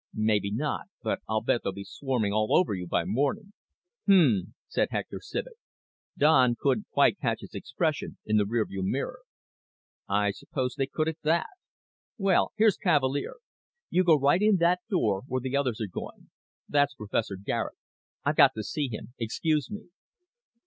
"Maybe not. But I'll bet they're swarming all over you by morning." "Hm," said Hector Civek. Don couldn't quite catch his expression in the rearview mirror. "I suppose they could, at that. Well, here's Cavalier. You go right in that door, where the others are going. There's Professor Garet. I've got to see him excuse me."